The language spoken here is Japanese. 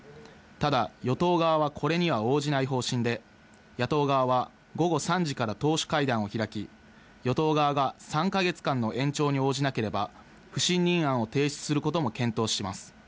ただ与党側は、これには応じない方針で、野党側は午後３時から党首会談を開き、与党側が３か月間の延長に応じなければ不信任案を提出することも検討します。